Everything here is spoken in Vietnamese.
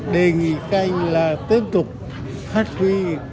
đề nghị các anh là tiếp tục phát huy